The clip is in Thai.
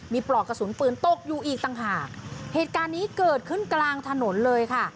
มีปลอกกระสุนปืนตกอยู่อีกต่างหากเหตุการณ์นี้เกิดขึ้นกลางถนนเลยค่ะ